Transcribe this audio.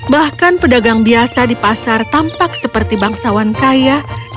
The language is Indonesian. bahkan pedagang biasa di pasar tampak seperti bangsawan kaya